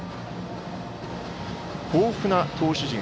豊富な投手陣。